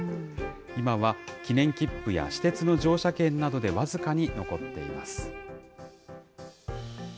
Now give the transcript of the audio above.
今は記念きっぷや私鉄の乗車券などで僅かに残っています。